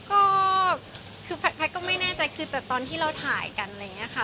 ก็คือแพทย์ก็ไม่แน่ใจคือแต่ตอนที่เราถ่ายกันอะไรอย่างนี้ค่ะ